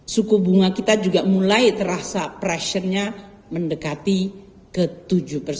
suku bunga kita juga mulai terasa pressure nya mendekati ke tujuh di enam sembilan puluh empat end of period